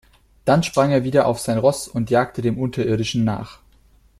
Dann sprang er wieder auf sein Ross und jagte den Unterirdischen nach.